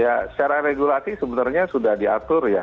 ya secara regulasi sebenarnya sudah diatur ya